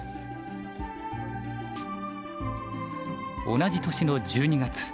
同じ年の１２月。